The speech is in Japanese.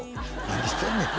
何してんねん？